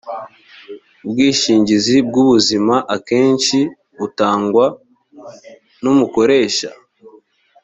ubwishingizi bw ubuzima akenshi butangwa n umukoresha